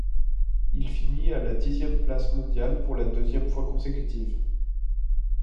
Il finit à la dixième place mondiale pour la deuxième fois consécutive.